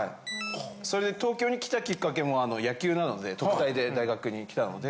それで東京に来たきっかけも野球なので特待で大学に行けたので。